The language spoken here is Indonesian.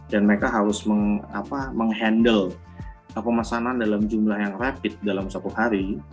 dan mereka harus meng handle pemasanan dalam jumlah yang rapid dalam satu hari